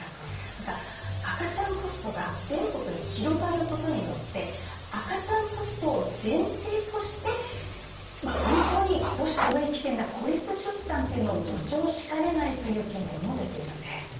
また、赤ちゃんポストが全国に広がることによって、赤ちゃんポストを前提として本当に母子ともに危険な孤立出産を助長しかねないという懸念も出ているんです。